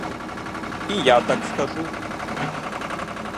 І я так скажу!